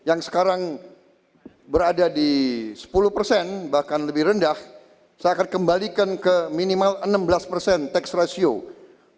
yang sekarang berada di sepuluh persen bahkan lebih rendah saya akan kembalikan ke minimal enam belas persen tax ratio